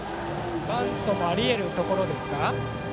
バントもあり得るところですか。